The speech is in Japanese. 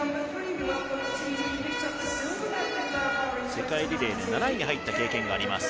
世界リレーで７位に入った経験があります。